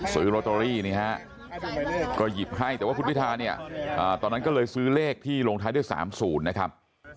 โรตเตอรี่นี่ฮะก็หยิบให้แต่ว่าคุณพิธาเนี่ยตอนนั้นก็เลยซื้อเลขที่ลงท้ายด้วย๓๐นะครับ